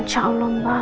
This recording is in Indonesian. insya allah mbak